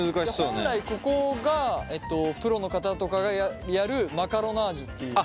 本来ここがプロの方とかがやるマカロナージュっていう。